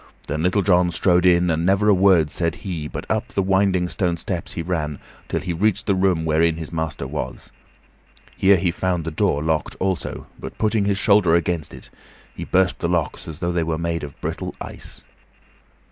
Then Little John strode in, and never a word said he, but up the winding stone steps he ran till he reached the room wherein his master was. Here he found the door locked also, but, putting his shoulder against it, he burst the locks as though they were made of brittle ice.